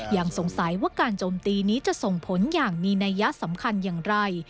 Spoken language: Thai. ยังสงสัยว่าการโจมตีนี้จะส่งผลอย่างมีนัยยะสำคัญอย่างไร